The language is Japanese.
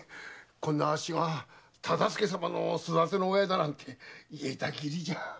こんなあっしが忠相様の育ての親だなんて言えた義理じゃ。